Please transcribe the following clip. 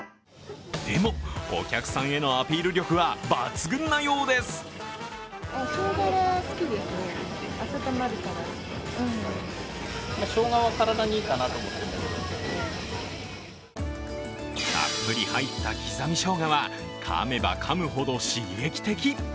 でも、お客さんへのアピール力は抜群なようでするたっぷり入った刻みしょうがはかめばかむほど刺激的。